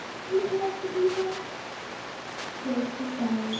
Wouldn't you like to be her?' Grace was silent.